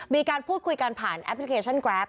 มีการพูดคุยกันผ่านแอปพลิเคชันแกรป